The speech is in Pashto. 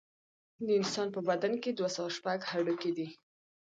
د انسان په بدن کې دوه سوه شپږ هډوکي دي